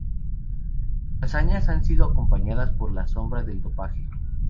Sus hazañas han ido acompañadas por la sombra del dopaje.